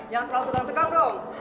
yang telah tegang tekang belum